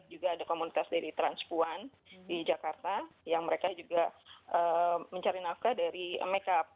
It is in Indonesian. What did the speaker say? juga ada komunitas dari transpuan di jakarta yang mereka juga mencari nafkah dari makeup